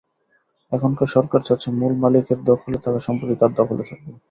এখন সরকার চাচ্ছে, মূল মালিকের দখলে থাকা সম্পত্তি তার দখলে থাকবে।